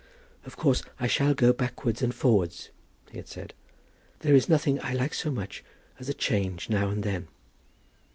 "Of course I shall go backwards and forwards," he had said. "There is nothing I like so much as a change now and then."